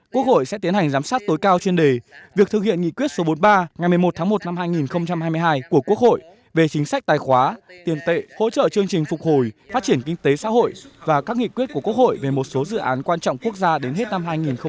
quốc hội sẽ tiến hành giám sát tối cao chuyên đề việc thực hiện nghị quyết số bốn mươi ba ngày một mươi một tháng một năm hai nghìn hai mươi hai của quốc hội về chính sách tài khóa tiền tệ hỗ trợ chương trình phục hồi phát triển kinh tế xã hội và các nghị quyết của quốc hội về một số dự án quan trọng quốc gia đến hết năm hai nghìn hai mươi